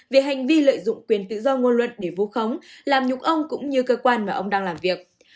về hành vi lợi dụng quyền tự do ngôn luận để vu khống làm nhục ông cũng như cơ quan mà ông đang làm việc